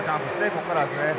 ここからですね。